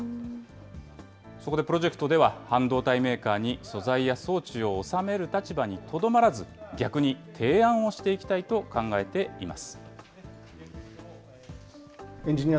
そこでプロジェクトでは、半導体メーカーに素材や装置を納める立場にとどまらず、逆に提案をしていきたいと考えています。